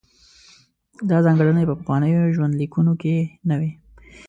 دا ځانګړنې په پخوانیو ژوندلیکونو کې نه وې.